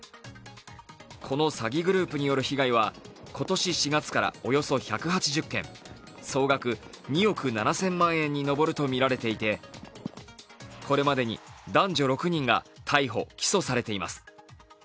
この詐欺グループによる被害は今年４月からおよそ１８０件、総額２億７０００万円に上るとみられていてこれまでに男女６人が逮捕・起訴されています。